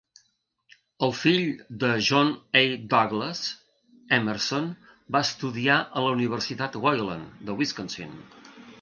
El fill de John A. Douglas, Emerson va estudiar a la universitat Wayland de Wisconsin.